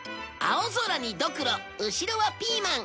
青空にドクロ後ろはピーマン。